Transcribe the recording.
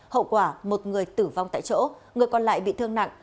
hậu quả một người tử vong tại chỗ người còn lại bị thương nặng